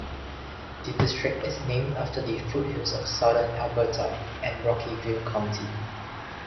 The district is named after the Foothills of Southern Alberta and Rocky View County.